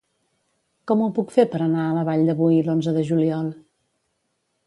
Com ho puc fer per anar a la Vall de Boí l'onze de juliol?